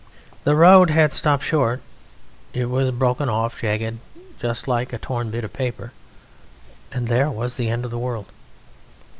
The road had stopped short; it was broken off, jagged, just like a torn bit of paper ... and there was the End of the World."